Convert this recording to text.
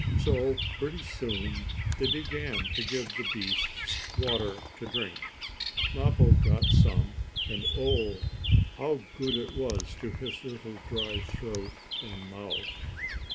So, pretty soon, they began to give the beasts water to drink. Mappo got some, and oh! how good it was to his little dry throat and mouth.